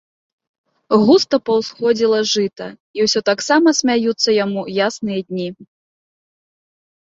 Густа паўсходзіла жыта, і ўсё таксама смяюцца яму ясныя дні.